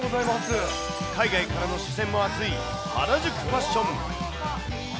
海外からの視線も熱い原宿ファッション。